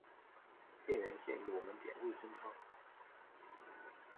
店员建议我们点味噌汤